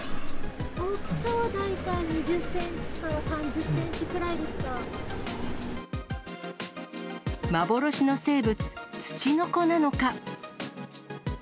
大きさは大体２０センチから３０幻の生物、ツチノコなのか。